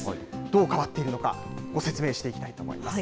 どう変わっているのか、ご説明していきたいと思います。